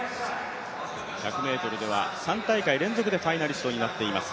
１００ｍでは３大会連続でファイナリストになっています。